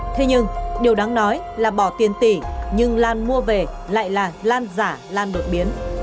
thế nhưng điều đáng nói là bỏ tiền tỷ nhưng lan mua về lại là lan giả lan đột biến